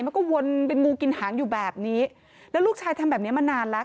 มันก็วนเป็นงูกินหางอยู่แบบนี้แล้วลูกชายทำแบบนี้มานานแล้ว